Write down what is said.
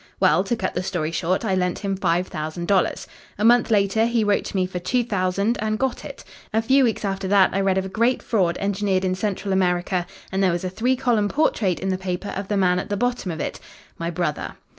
Well, to cut the story short, I lent him five thousand dollars. A month later, he wrote to me for two thousand, and got it. A few weeks after that I read of a great fraud engineered in Central America and there was a three column portrait in the paper of the man at the bottom of it my brother.